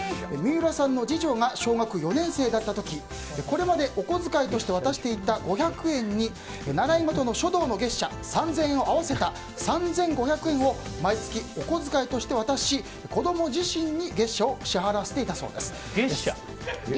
三浦さんの次女が小学４年生だった時これまでお小遣いとして渡していた５００円に習い事の書道の月謝３０００円を合わせた３５００円を毎月お小遣いとして渡し子供自身に月謝を支払わせていたそうです。